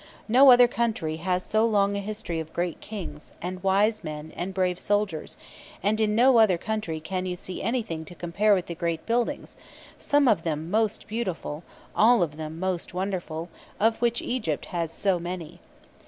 No other country has so long a history of great Kings, and wise men, and brave soldiers; and in no other country can you see anything to compare with the great buildings, some of them most beautiful, all of them most wonderful, of which Egypt has so many.